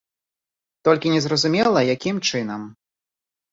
Толькі незразумела, якім чынам.